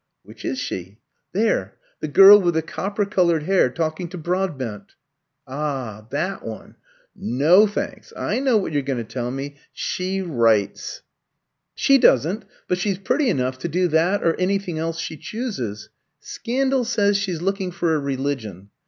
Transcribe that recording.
"Which is she?" "There, the girl with the copper coloured hair, talking to Broadbent." "Ah, that one. No, thanks. I know what you're going to tell me she writes." "She doesn't, but she's pretty enough to do that or anything else she chooses. Scandal says she's looking for a religion.